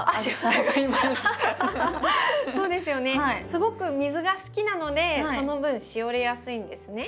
すごく水が好きなのでその分しおれやすいんですね。